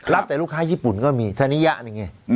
แต่ลูกค้าญี่ปุ่นก็มีธนิยะหนึ่งไง